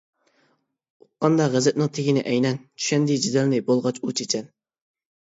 ئۇققاندا غەزەپنىڭ تېگىنى ئەينەن، چۈشەندى جېدەلنى بولغاچ ئۇ چېچەن.